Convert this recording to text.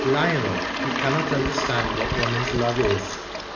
Lionel, you cannot understand what woman's love is.